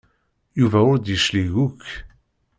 Yuba ur d-yeclig akk.